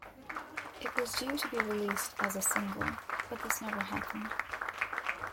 It was due to be released as a single, but this never happened.